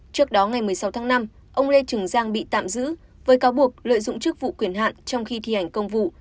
trước đó ngày một mươi sáu tháng năm ông lê trường giang bị tạm giữ với cáo buộc lợi dụng chức vụ quyền hạn trong khi thi hành công vụ